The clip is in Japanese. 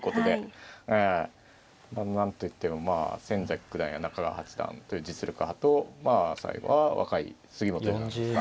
ええ。何と言っても先崎九段や中川八段という実力派と最後は若い杉本四段ですか。